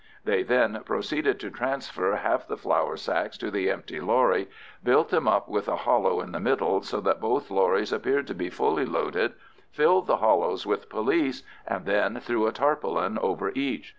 They then proceeded to transfer half the flour sacks to the empty lorry, built them up with a hollow in the middle so that both lorries appeared to be fully loaded, filled the hollows with police, and then threw a tarpaulin over each.